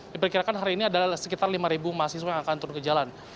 diperkirakan hari ini ada sekitar lima mahasiswa yang akan turun ke jalan